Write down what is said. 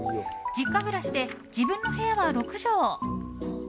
実家暮らしで自分の部屋は６畳。